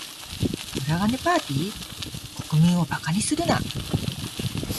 裏金パーティ？国民を馬鹿にするな。